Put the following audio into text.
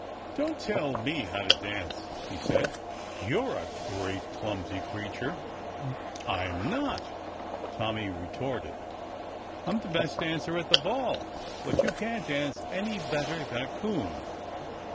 "Don't tell me how to dance!" he said. "You're a great, clumsy creature!" "I'm not!" Tommy retorted. "I'm the best dancer at the Ball. But you can't dance any better than a coon!"